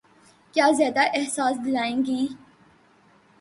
کا زیادہ احساس دلائیں گی۔